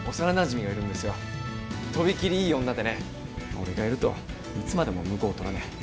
俺がいるといつまでも婿を取らねえ。